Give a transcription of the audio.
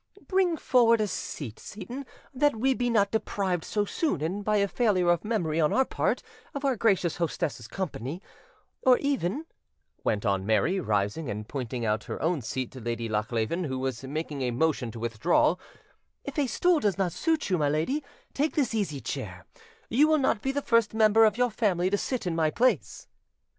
Bring forward a seat, Seyton, that we be not deprived so soon, and by a failure of memory on our part, of our gracious hostess's company; or even," went on Mary, rising and pointing out her own seat to Lady Lochleven, who was making a motion to withdraw, "if a stool does not suit you, my lady, take this easy chair: you will not be the first member of your family to sit in my place."